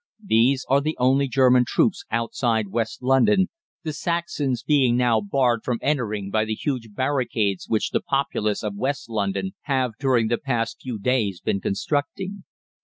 These are the only German troops outside West London, the Saxons being now barred from entering by the huge barricades which the populace of West London have during the past few days been constructing.